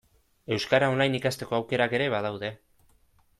Euskara online ikasteko aukerak ere badaude.